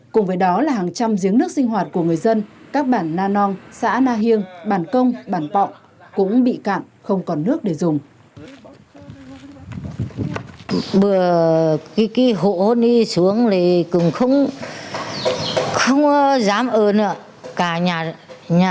cùng với đó là hàng trăm giếng nước sinh hoạt của người dân các bản na non xã na hiêng bản công bản vọng cũng bị cạn không còn nước để dùng